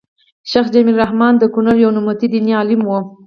شيخ جميل الرحمن د کونړ يو نوموتی ديني عالم وو